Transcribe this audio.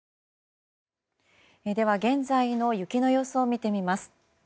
現在の雪の様子を見てみます。